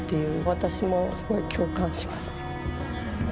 私もすごい共感しますね。